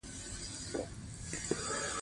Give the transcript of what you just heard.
ښارونه د افغانستان د بشري فرهنګ برخه ده.